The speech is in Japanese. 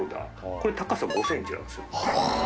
これ高さ５ｃｍなんです。